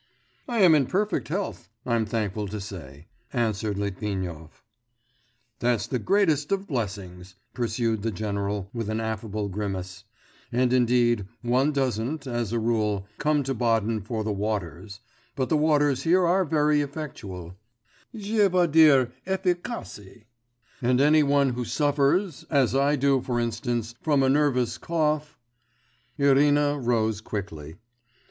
'I am in perfect health, I'm thankful to say,' answered Litvinov. 'That's the greatest of blessings,' pursued the general, with an affable grimace; 'and indeed one doesn't, as a rule, come to Baden for the waters; but the waters here are very effectual, je veux dire, efficaces; and any one who suffers, as I do for instance, from a nervous cough ' Irina rose quickly.